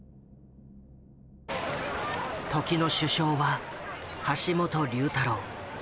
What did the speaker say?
時の首相は橋本龍太郎。